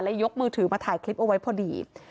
ยกมือถือมาถ่ายคลิปเอาไว้พอดี